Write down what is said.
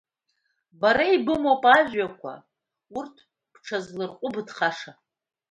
Бара ибымоуп ажәҩақәа, урҭ бҽызларҟәыбыҭхаша.